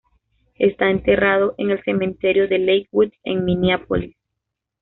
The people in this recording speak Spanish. Está enterrado en el cementerio de Lakewood, en Minneapolis.